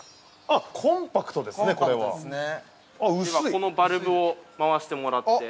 ◆このバルブを回してもらって◆